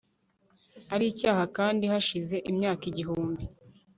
ari icyaha kandi hashize imyaka igihumbi